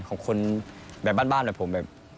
ของคนแบบบ้านแบบผมแบบ